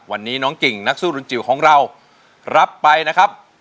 วันนี้น้องกิ่งนักสู้รุนจิ๋วของเรารับไปนะครับ